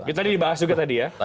itu tadi dibahas juga tadi ya